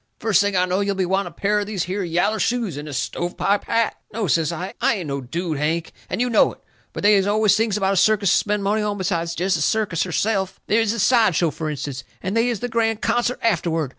First thing I know you'll be wanting a pair of these here yaller shoes and a stove pipe hat." "No," says I, "I ain't no dude, Hank, and you know it. But they is always things about a circus to spend money on besides jest the circus herself. They is the side show, fur instance, and they is the grand concert afterward.